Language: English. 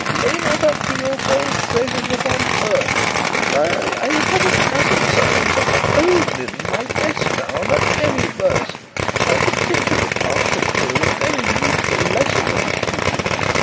'Lay not up for yourselves treasures upon earth ' Why, I have a dozen sermons of my own in my desk now on that very verse. I'm particularly partial to the very needful lesson that it teaches.